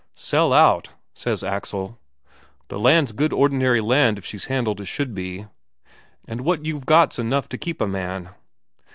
"Sell out?" says Axel. "The land's good ordinary land if she's handled as should be and what you've got's enough to keep a man."